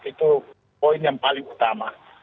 itu poin yang paling utama